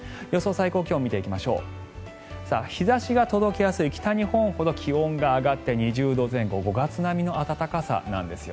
最高気温を見ていきましょう日差しが届きやすい北日本ほど気温が上がって２０度前後５月並みの暖かさなんです。